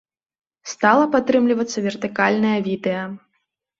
Стала падтрымлівацца вертыкальнае відэа.